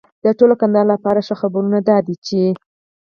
د ټول کندهار لپاره ښه خبرونه دا دي چې